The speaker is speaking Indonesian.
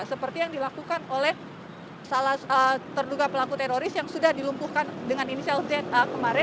seperti yang dilakukan oleh salah terduga pelaku teroris yang sudah dilumpuhkan dengan inisial za kemarin